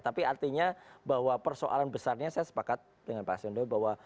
tapi artinya bahwa persoalan besarnya saya sepakat dengan pak asyandu bahwa